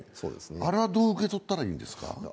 あれはどう受け取ったらいいんですか。